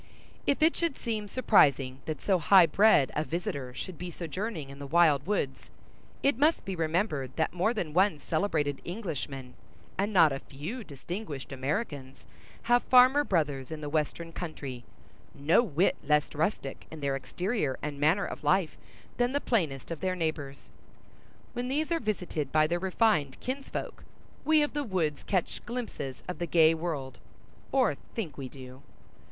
If it should seem surprising that so high bred a visitor should be sojourning in the wild woods, it must be remembered that more than one celebrated Englishman and not a few distinguished Americans have farmer brothers in the western country, no whit less rustic in their exterior and manner of life than the plainest of their neighbors. When these are visited by their refined kinsfolk, we of the woods catch glimpses of the gay world, or think we do.